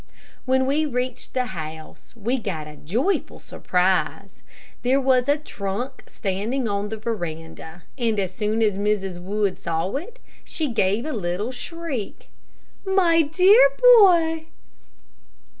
When we reached the house, we got a joyful surprise. There was a trunk standing on the veranda, and as soon as Mrs. Wood saw it, she gave a little shriek: "My dear boy!"